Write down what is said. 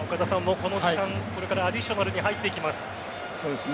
この時間帯、これからアディショナルに入っていきます。